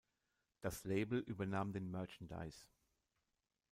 Das Label übernahm den Merchandise.